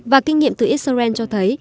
và kinh nghiệm từ israel cho thấy